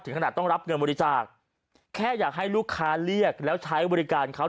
ขนาดต้องรับเงินบริจาคแค่อยากให้ลูกค้าเรียกแล้วใช้บริการเขา